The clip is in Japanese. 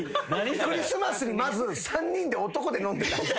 クリスマスにまず３人で男で飲んでた？